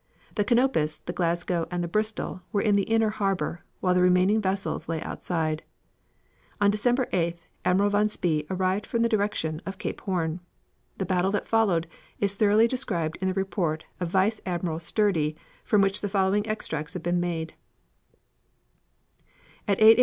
The Canopus, the Glasgow and the Bristol were in the inner harbor, while the remaining vessels lay outside. On December 8th, Admiral von Spee arrived from the direction of Cape Horn. The battle that followed is thoroughly described in the report of Vice Admiral Sturdee from which the following extracts have been made: "At 8 A.